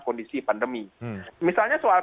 kondisi pandemi misalnya soal